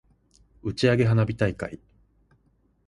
打ち上げ花火大会